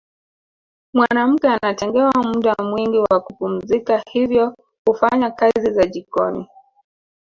Mwanamke anatengewa muda mwingi wa kupumzika hivyo hufanya kazi za jikoni